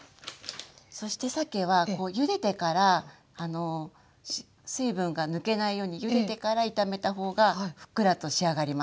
そしてさけはゆでてから水分が抜けないようにゆでてから炒めた方がふっくらと仕上がります。